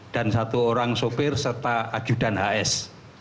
dan satu orang sopir serta ajudan hs